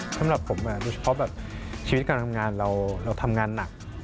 สำหรับผมโดยเฉพาะแบบชีวิตการทำงานเราทำงานหนัก